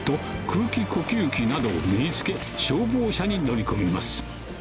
空気呼吸器などを身に着け消防車に乗り込みます